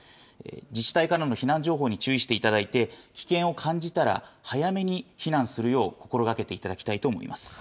自治体からの避難情報に注意していただいて、危険を感じたら、早めに避難するよう心がけていただきたいと思います。